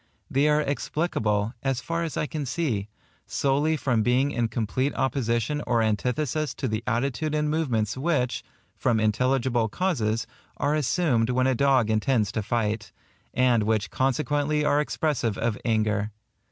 They are explicable, as far as I can see, solely from being in complete opposition or antithesis to the attitude and movements which, from intelligible causes, are assumed when a dog intends to fight, and which consequently are expressive of anger.